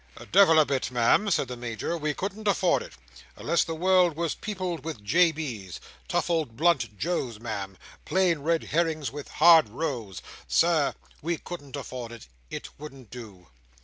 "Devil a bit, Ma'am," said the Major. "We couldn't afford it. Unless the world was peopled with J.B."s—tough and blunt old Joes, Ma'am, plain red herrings with hard roes, Sir—we couldn't afford it. It wouldn't do."